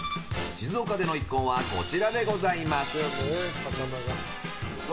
静岡での一献はこちらでございます。